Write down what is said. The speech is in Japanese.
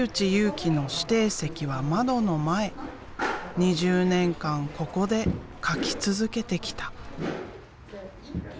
２０年間ここで描き続けてきた。